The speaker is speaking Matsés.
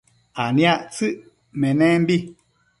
aniactsëc menembi